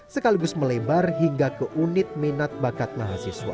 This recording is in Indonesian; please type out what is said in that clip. sekaligus melebar hingga ke unit minat bakat mahasiswa